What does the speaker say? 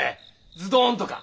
ズドンとか。